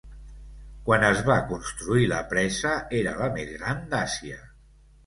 Quan es va construir la presa, era la més gran d'Àsia.